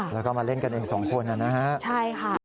แล้วก็มาเล่นกันเองสองคนนะฮะใช่ค่ะ